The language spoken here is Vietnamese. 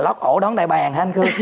lót ổ đón đại bàng hả anh khương